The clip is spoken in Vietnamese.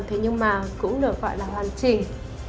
thế nhưng mà cũng được gọi là hoàn chỉnh